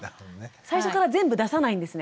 最初から全部出さないんですね。